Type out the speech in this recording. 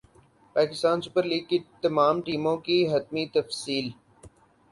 Pakistan Super League کی تمام ٹیموں کی حتمی تفصیل